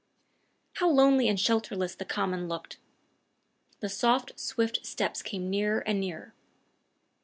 How lonely and shelterless the common looked! The soft, swift steps came nearer and nearer.